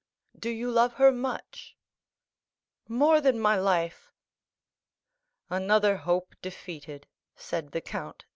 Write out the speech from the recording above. "Do you love her much?" "More than my life." "Another hope defeated!" said the count.